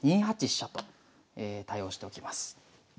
２八飛車と対応しておきます。